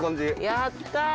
やったー！